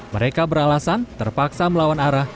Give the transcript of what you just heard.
mereka beralasan terpaksa melawan arah